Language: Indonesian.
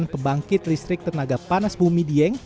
pembangkit listrik tenaga panas bumi dieng